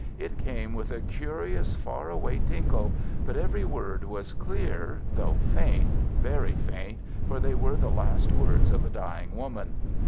It came with a curious far away tinkle, but every word was clear, though faint—very faint, for they were the last words of a dying woman.